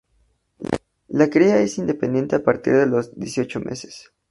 La cría es independiente a partir de los dieciocho meses.